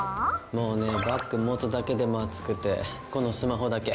もうねバッグ持つだけでも暑くてこのスマホだけ。